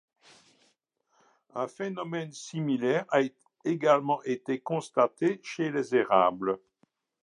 Un phénomène similaire a également été constaté chez les érables.